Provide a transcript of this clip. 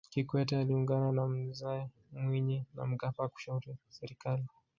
kikwete aliungana na mzee mwinyi na mkapa kushauri serikali